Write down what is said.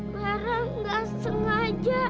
lara enggak sengaja